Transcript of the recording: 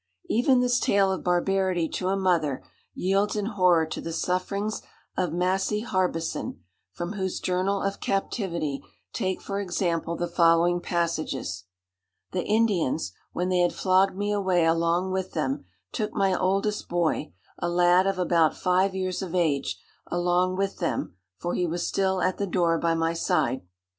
Even this tale of barbarity to a mother, yields in horror to the sufferings of Massy Harbisson, from whose journal of captivity, take for example the following passages;—"The Indians, when they had flogged me away along with them, took my oldest boy, a lad of about five years of age, along with them, for he was still at the door by my side.